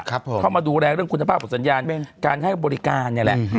เข้ามาดูแลเรื่องคุณภาพกับสัญญาณการให้บริการเนี่ยแหละ